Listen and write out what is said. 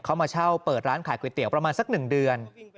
เขามาเช่าเปิดร้านขายก๋วยเตี๋ยวประมาณสัก๑เดือน